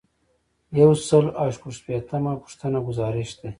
یو سل او شپږ شپیتمه پوښتنه ګزارش دی.